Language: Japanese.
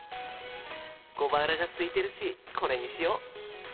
小腹がすいてるしこれにしよう！